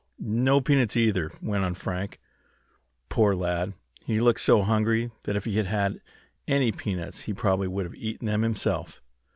"No peanuts, either," went on Frank. Poor lad! He looked so hungry that if he had had any peanuts he probably would have eaten them himself.